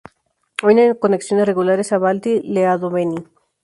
Hoy no hay conexiones regulares a Bălţi-Leadoveni.